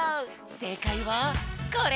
せいかいはこれ！